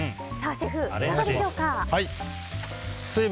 シェフ、いかがでしょうか？